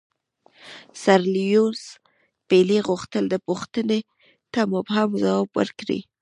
سر لیویس پیلي غوښتل دې پوښتنې ته مبهم ځواب ورکړي.